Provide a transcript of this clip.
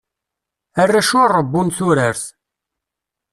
Arrac ur rewwun turart.